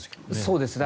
そうですね。